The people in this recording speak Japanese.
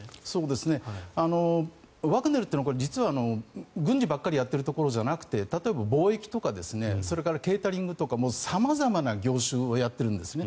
ワグネルというのは実は軍事ばかりやっているところではなくて例えば貿易とかそれからケータリングとか様々な業種をやっているんですね。